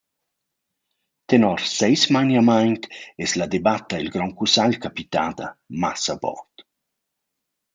Tenor seis maniamaint es la debatta i’l grond cussagl capitada massa bod.